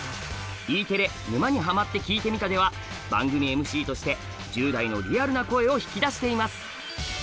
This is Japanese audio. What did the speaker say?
Ｅテレ「沼にハマってきいてみた」では番組ＭＣとして１０代のリアルな声を引き出しています！